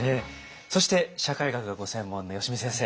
そして社会学がご専門の吉見先生。